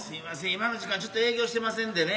今の時間ちょっと営業してませんでね。